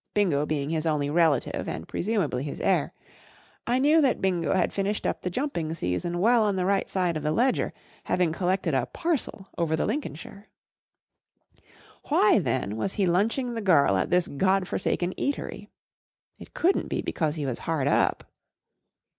Bingo being his only relative a nr l presumably his heir, I knew that Bingo had finished up the jumping season well on the right side of the ledger, having collected a parcel over the Lincolnshire. Why, then, was he, lunch¬ ing the girl at this God forsaken eatery ? It couldn't be because he was hard up.